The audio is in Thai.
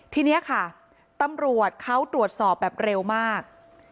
ทีนี้ค่ะตำรวจเขาตรวจสอบแบบเร็วมาก